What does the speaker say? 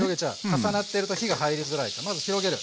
重なってると火が入りづらいからまず広げる。